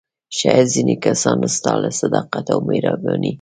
شاید ځینې کسان ستا له صداقت او مهربانۍ.